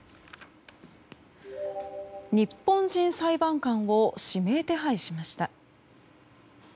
日本人裁判官を指名手配しました。